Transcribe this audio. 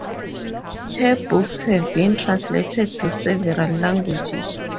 Her books have been translated to several languages.